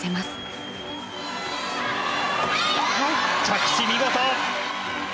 着地見事！